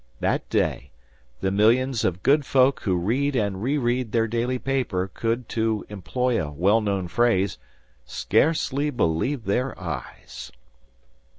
That day, the millions of good folk who read and re read their daily paper could to employ a well known phrase, scarcely believe their eyes.